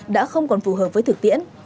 đã không còn phù hợp với thực tiễn